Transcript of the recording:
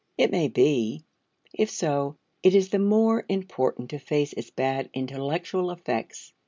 It may be; if so, it is the more important to face its bad intellectual effects.